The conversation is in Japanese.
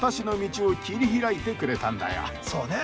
そうね。